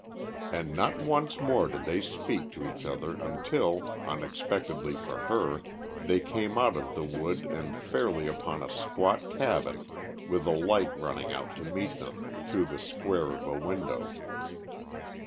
And not once more did they speak to each other until, unexpectedly for her, they came out of the wood and fairly upon a squat cabin with a light running out to meet them through the square of a window.